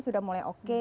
sudah mulai oke